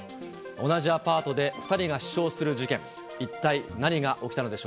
同じアパートで２人が死傷する事件。